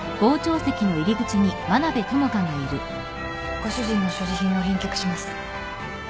ご主人の所持品を返却します。